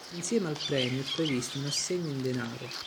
Insieme al premio è previsto un assegno in denaro.